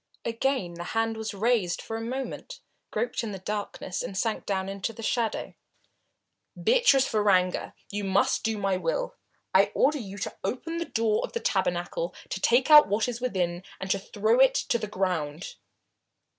Again the hand was raised for a moment, groped in the darkness and sank down into the shadow. "Beatrice Varanger, you must do my will. I order you to open the door of the tabernacle, to take out what is within and to throw it to the ground!"